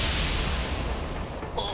あ。